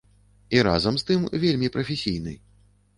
І разам з тым вельмі прафесійны.